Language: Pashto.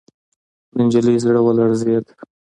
د نجلۍ زړه ولړزېد.